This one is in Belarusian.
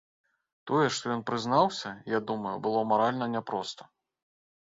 Тое, што ён прызнаўся, я думаю, было маральна няпроста.